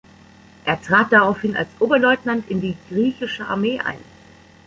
Er trat daraufhin als Oberleutnant in die Griechische Armee ein.